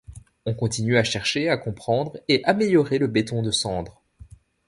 On continue à chercher à comprendre et améliorer le béton de cendre.